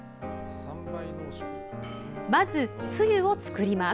まず、つゆを作ります。